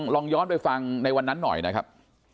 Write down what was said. ลองย้อนไปฟังในวันนั้นหน่อยนะครับ